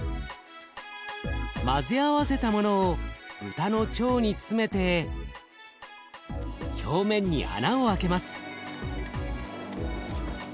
混ぜ合わせたものを豚の腸に詰めて表面に穴を開けます。